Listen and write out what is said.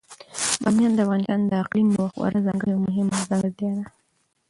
بامیان د افغانستان د اقلیم یوه خورا ځانګړې او مهمه ځانګړتیا ده.